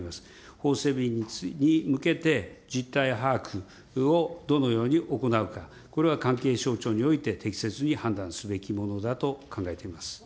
法整備に向けて実態把握をどのように行うか、これは関係省庁において適切に判断すべきものだと考えています。